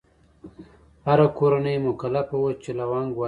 هره کورنۍ مکلفه وه چې لونګ ورکړي.